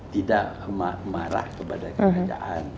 tidak marah kepada kerajaan